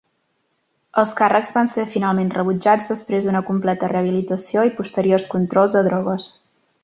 Els càrrecs van ser finalment rebutjats després d'una completa rehabilitació i posteriors controls de drogues.